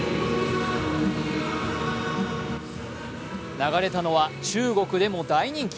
流れたのは中国でも大人気。